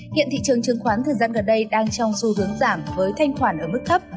hiện thị trường chứng khoán thời gian gần đây đang trong xu hướng giảm với thanh khoản ở mức thấp